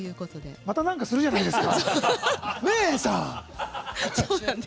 またなんかするじゃないですか！